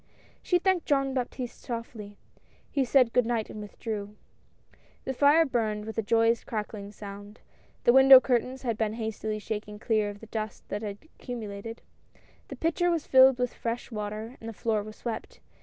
She thanked Jean Baptiste softly — he said good night and withdrew. The fire burned with a joyous crackling sound; the window curtains had been hastily shaken clear of the dust that had accumulated ; the pitcher was filled with fresh water and the floor was swept.